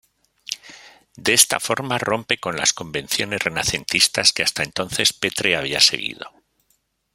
De esta forma rompe con las convenciones renacentistas que hasta entonces Petre había seguido.